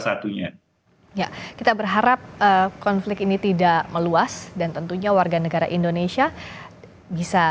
satunya ya kita berharap konflik ini tidak meluas dan tentunya warga negara indonesia bisa